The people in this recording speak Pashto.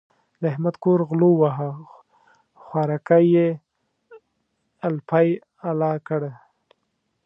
د احمد کور غلو وواهه؛ خوراکی يې الپی الا کړ.